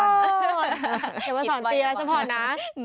เดี๋ยวมาสอนเตียร์ล่ะจ้ะพรนะ